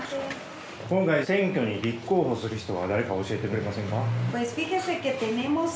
今回選挙に立候補する人は誰か教えてくれませんか？